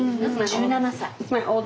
１７歳？